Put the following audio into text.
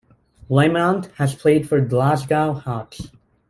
Lamont has played for Glasgow Hawks.